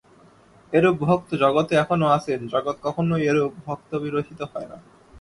এরূপ ভক্ত জগতে এখনও আছেন, জগৎ কখনই এরূপ ভক্ত-বিরহিত হয় না।